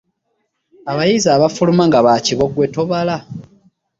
Abayizi abafuluma nga bakibogwe tobala.